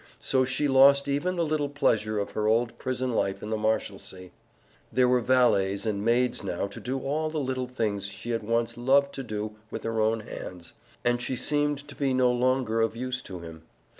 so she lost even the little pleasure of her old prison life in the Marshalsea. There were valets and maids now to do all the little things she had once loved to do with her own hands, and she seemed to be no longer of use to him.